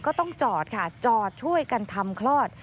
ก็ต้องจอดค่ะจอดช่วยกันทำคลอด